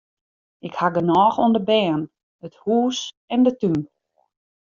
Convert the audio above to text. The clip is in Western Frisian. Ik haw genôch oan de bern, it hûs en de tún.